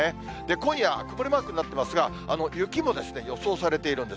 今夜、曇りマークになっていますが、雪も予想されているんです。